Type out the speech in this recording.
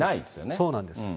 そうなんです。